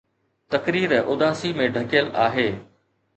تقرير اداسي ۾ ڍڪيل آهي